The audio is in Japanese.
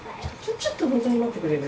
ちょっと本当に待ってくれる？